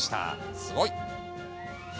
すごい。